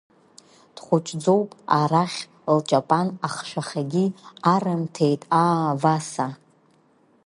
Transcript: Дхәыҷӡоуп, арахь лҷапан ахшәахагьы арымҭеит, аа, Васа…